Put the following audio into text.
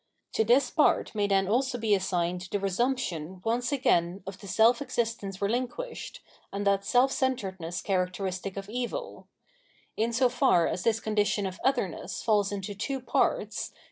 To this part may then also be assigned the resumption once again of the self existence relinquished, and that " self centredness " characteristic of evil. In so far as this condition of otherness falls into two parts.